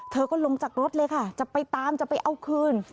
เธอก็ลงจากรถเลยค่ะจะไปตามจะไปเอาคืน